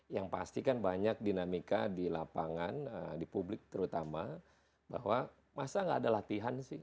yang pasti kan banyak dinamika di lapangan di publik terutama bahwa masa gak ada latihan sih